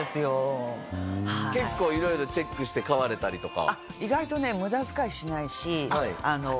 結構色々チェックして買われたりとか？